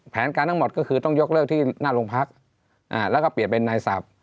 แผนการทั้งหมดก็คือต้องยกเลิกที่หน้าโรงพักแล้วก็เปลี่ยนเป็นนายศัพท์